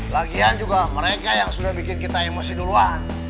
lagian juga mereka yang sudah bikin kita emosi duluan